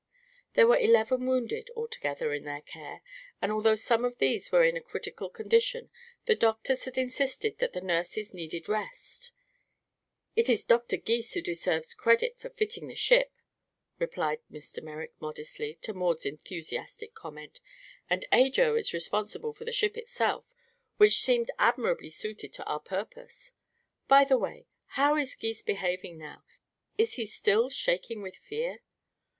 There were eleven wounded, altogether, in their care, and although some of these were in a critical condition the doctors had insisted that the nurses needed rest. "It is Dr. Gys who deserves credit for fitting the ship," replied Mr. Merrick, modestly, to Maud's enthusiastic comment, "and Ajo is responsible for the ship itself, which seems admirably suited to our purpose. By the way, how is Gys behaving now? Is he still shaking with fear?"